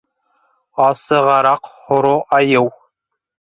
Асығыраҡ һоро айыу.